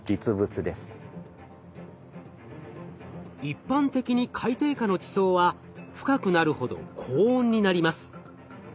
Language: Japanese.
一般的に海底下の地層は深くなるほど高温になります。